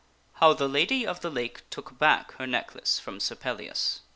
How the Lady of the Lake Took Back Her Necklace From Sir Pellias.